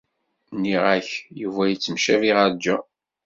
Nniɣ-ak Yuba yettemcabi ɣer John.